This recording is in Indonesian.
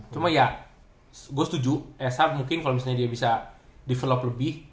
cuma ya gua setuju esa mungkin kalo misalnya dia bisa develop lebih